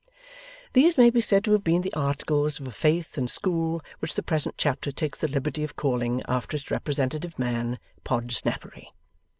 These may be said to have been the articles of a faith and school which the present chapter takes the liberty of calling, after its representative man, Podsnappery.